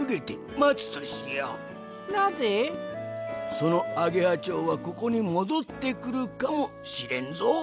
そのアゲハちょうはここにもどってくるかもしれんぞ。